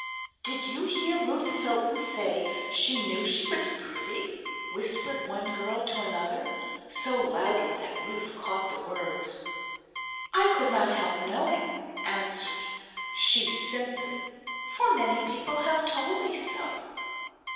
"Did you hear Ruth Hilton say she knew she was pretty?" whispered one girl to another, so loudly that Ruth caught the words. "I could not help knowing," answered she, simply, "for many people have told me so."